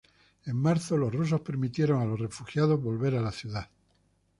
En marzo los rusos permitieron a los refugiados volver a la ciudad.